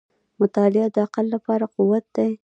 • مطالعه د عقل لپاره قوت دی.